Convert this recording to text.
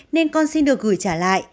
nên con xin được gửi trả lại